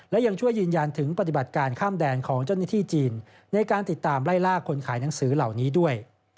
และยังช่วยยืนยันถึงปฏิบัติการข้ามแดนของเจ้าหน้าที่จีนในการติดตามไล่ล่าคนขายหนังสือเหล่านี้ด้วย